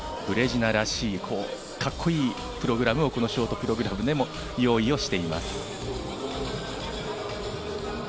ブレジナらしいカッコいいプログラムをこのショートプログラムでも用意をしています。